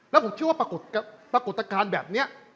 และผมคิดว่าปรากฏการณ์แบบเนี้ย